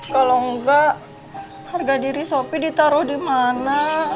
kalau enggak harga diri sapi ditaruh di mana